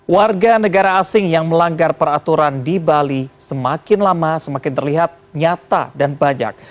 warga negara asing yang melanggar peraturan di bali semakin lama semakin terlihat nyata dan banyak